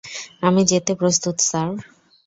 আমি যেতে প্রস্তুত স্যার।